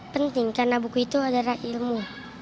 penting karena buku itu adalah ilmu